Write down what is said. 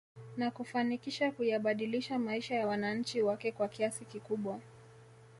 Na kufanikisha kuyabadilisha maisha ya wananchi wake kwa kiasi kikubwa